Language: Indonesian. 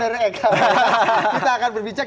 kita akan berbicara